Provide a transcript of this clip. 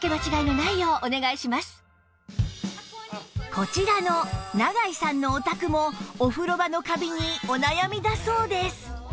こちらの永井さんのお宅もお風呂場のカビにお悩みだそうです